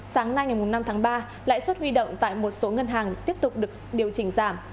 sáng nay ngày năm tháng ba lãi suất huy động tại một số ngân hàng tiếp tục được điều chỉnh giảm